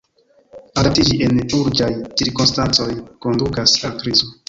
Adaptiĝi en urĝaj cirkonstancoj kondukas al krizo.